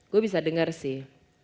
gue bisa dengar sih